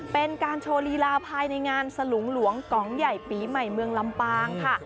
เป็นการโชว์ลีลาภายในงานสลุงหลวงกองใหญ่ปีใหม่เมืองลำปางค่ะ